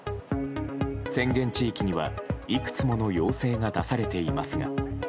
宣言地域には、いくつもの要請が出されていますが。